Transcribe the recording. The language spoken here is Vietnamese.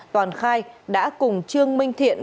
toàn khai đã cùng trương minh thiện